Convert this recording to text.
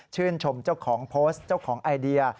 ชมเจ้าของโพสต์เจ้าของไอเดีย